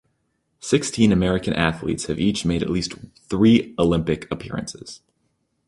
Sixteen American athletes have each made at least three Olympic appearances.